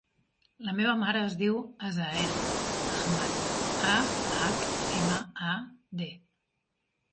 La meva mare es diu Aseel Ahmad: a, hac, ema, a, de.